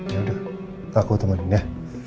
ya udah aku temenin ya